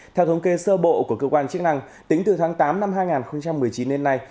theo thống kê sơ bộ của cơ quan chức năng tính từ tháng tám năm hai nghìn một mươi chín đến nay